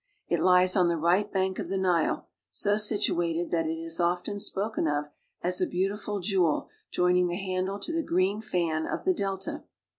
It lies on the right bank of the Nile, so situated that it is often spoken of as a beautiful jewel joining the handle to the green fan of the delta.